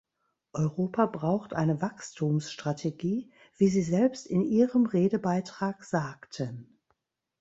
Europa braucht eine Wachstumsstrategie, wie Sie selbst in ihrem Redebeitrag sagten.